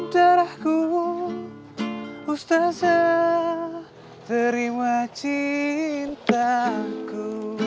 darahku ustazah terima cintaku